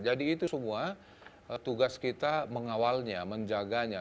jadi itu semua tugas kita mengawalnya menjaganya